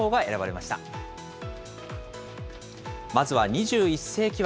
まずは２１世紀枠。